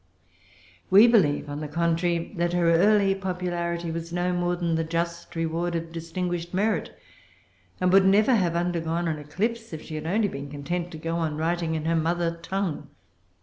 We believe, on the contrary, that her early popularity was no more than the just reward of distinguished merit, and would never have undergone an eclipse, if she had only been content to go on writing in her mother tongue.